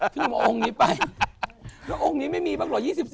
องค์นี้ไปแล้วองค์นี้ไม่มีบ้างเหรอ๒๔